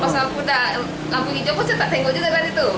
pasang putar lampu hijau pun saya tak tengok juga kan itu